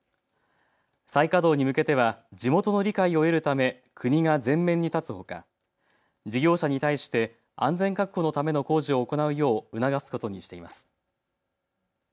再稼働に向けては地元の理解を得るため国が前面に立つほか、事業者に対して安全確保のための工事を行うよう促すことにしています。